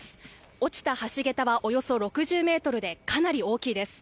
落ちた橋桁はおよそ６０ｍでかなり大きいです。